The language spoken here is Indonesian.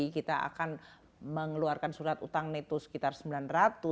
kita akan mengeluarkan surat utang neto sekitar rp sembilan ratus